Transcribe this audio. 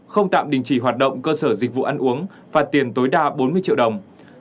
không tạm đình chỉ hoạt động cơ sở dịch vụ ăn uống phạt tiền tối đa bốn mươi triệu đồng